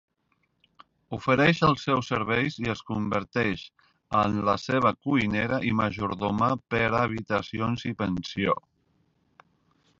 Ofereix els seus serveis i es converteix en la seva cuinera i majordoma per a habitacions i pensió.